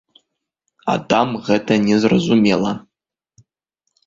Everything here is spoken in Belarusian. А там гэта не зразумела.